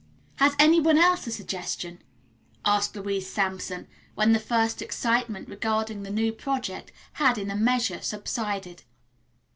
"Has any one else a suggestion?" asked Louise Sampson, when the first excitement regarding the new project had in a measure subsided.